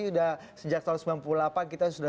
sudah sejak tahun sembilan puluh delapan kita sudah